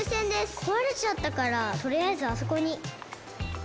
こわれちゃったからとりあえずあそこに。